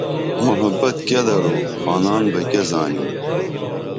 محبت کیہ درو خانان بہ کہ زانین